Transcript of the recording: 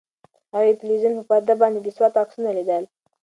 هغې د تلویزیون په پرده باندې د سوات عکسونه لیدل.